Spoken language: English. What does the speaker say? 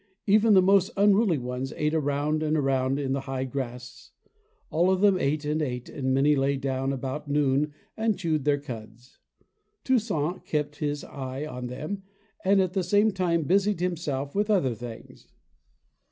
Even the most unruly ones ate around and around in the high grass. All of them ate and ate, and many lay down about noon and chewed their cuds. Toussaint kept his eye on them and at the same time busied himself with other things.